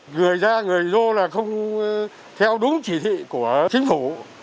người ra người vô là không theo đúng chỉ thị của chính phủ